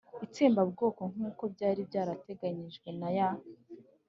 itsembabwoko nkuko byari byatangajwe na ya